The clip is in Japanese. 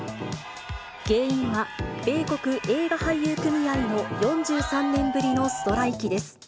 原因は、米国映画俳優組合の４３年ぶりのストライキです。